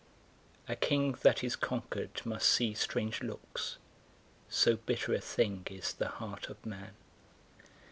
A king that is conquered must see strange looks, So bitter a thing is the heart of man.